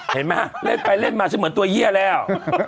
เห็นไหมเล่นไปเล่นมาฉันเหมือนตัวเยี่ยแล้ว